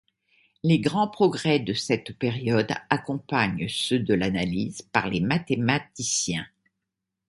Les grands progrès de cette période accompagnent ceux de l'analyse par les mathématiciens.